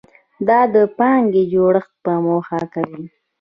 دا د پانګې جوړښت په موخه کوي.